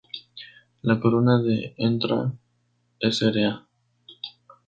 La corona de Ntra´Sra.